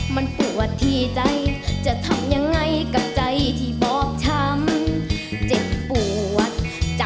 มันจะตืออย่างที่เองไม่เหลือ